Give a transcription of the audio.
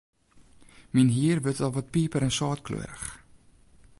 Myn hier wurdt al wat piper-en-sâltkleurich.